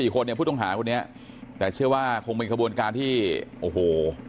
๔คนพูดตรงหาพวกนี้แต่เชื่อว่าคงเป็นกระบวนการที่โอ้โฮ